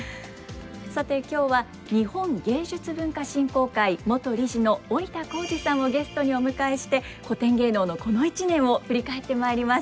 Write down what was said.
さて今日は日本芸術文化振興会元理事の織田紘二さんをゲストにお迎えして古典芸能のこの一年を振り返ってまいります。